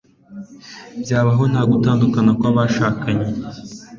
byabaho, nta gutandukana kw'abashakanye